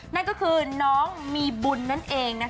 นั่นก็คือน้องมีบุนนั้นเอง